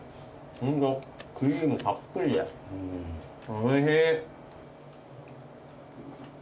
おいしい。